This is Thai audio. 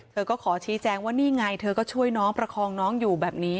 เธอก็ขอชี้แจงว่านี่ไงเธอก็ช่วยน้องประคองน้องอยู่แบบนี้